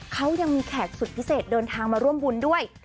เขายังมีแขกสุดพิเศษเดินทางมาร่วมบุญด้วย